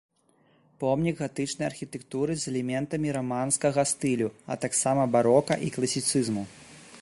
Помнік гатычнай архітэктуры з элементамі раманскага стылю, а таксама барока і класіцызму.